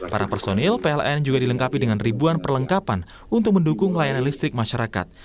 para personil pln juga dilengkapi dengan ribuan perlengkapan untuk mendukung layanan listrik masyarakat